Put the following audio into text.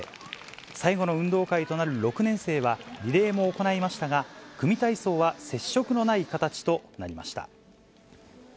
最後の運動会となる６年生は、リレーも行いましたが、組み体操は接触のない形となりました。